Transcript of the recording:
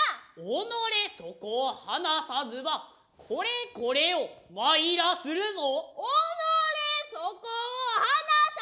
己そこを放さずばこれこれを参らするぞ。